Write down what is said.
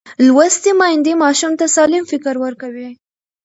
لوستې میندې ماشوم ته سالم فکر ورکوي.